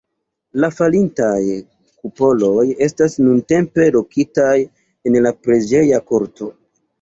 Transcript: La falintaj kupoloj estas nuntempe lokitaj en la preĝeja korto.